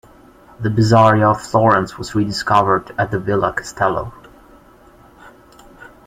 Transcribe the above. The Bizzaria of Florence was rediscovered at the "Villa Castello".